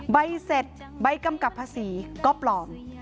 ใบเสร็จใบกำกับภาษีก็ปลอม